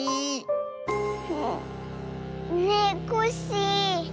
ねえコッシー。